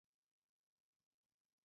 崔彦曾在大中后期任诸州刺史。